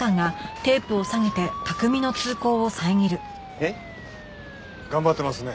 えっ？頑張ってますね